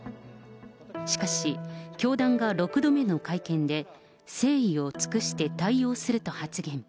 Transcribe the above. しかし、教団が６度目の会見で、誠意を尽くして対応すると発言。